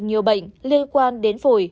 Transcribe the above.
nhiều bệnh liên quan đến phổi